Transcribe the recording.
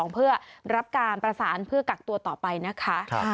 เพื่อรับการประสานเพื่อกักตัวต่อไปนะคะ